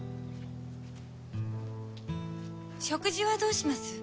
食事はどうします？